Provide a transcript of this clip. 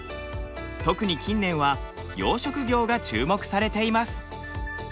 特に近年は養殖業が注目されています。